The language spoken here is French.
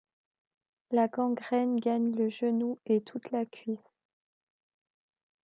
La gangrène gagne le genou et toute la cuisse.